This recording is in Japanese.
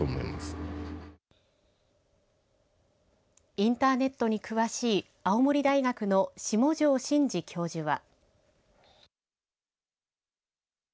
インターネットに詳しい青森大学の下條真司教授は。